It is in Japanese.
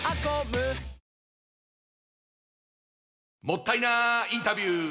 もったいなインタビュー！